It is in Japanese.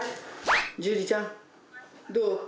樹里ちゃんどう？